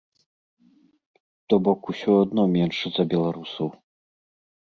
То бок усё адно менш за беларусаў.